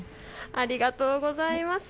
ありがとうございます。